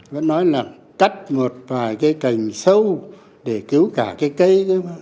vẫn nói là cắt một vài cây cành sâu để cứu cả cây cây